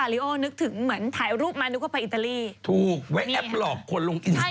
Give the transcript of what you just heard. ฉันเคยแอปแล้วเดี๋ยวจะเล่าเรื่องของฉันให้ฟัง